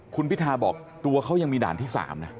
คุณพิทาบอกตัวเขายังมีด่านที่๓นะ